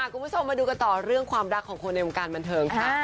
คุณผู้ชมมาดูกันต่อเรื่องความรักของคนในวงการบันเทิงค่ะ